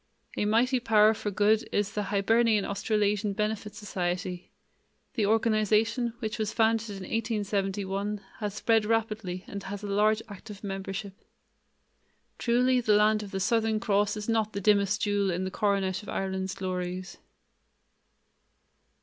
A mighty power for good is the Hibernian Australasian Benefit Society. The organization, which was founded in 1871, has spread rapidly and has a large active membership. Truly the land of the Southern Cross is not the dimmest jewel in the coronet of Ireland's glories.